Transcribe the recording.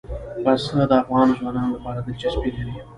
پسه د افغان ځوانانو لپاره دلچسپي لري.